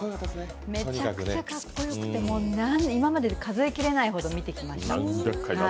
めちゃくちゃかっこよくて今まで数え切れないほど見てきました。